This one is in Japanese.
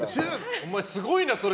お前すごいなそれ！